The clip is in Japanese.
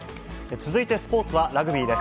続いてスポーツはラグビーです。